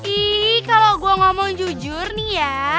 ih kalau gue ngomong jujur nih ya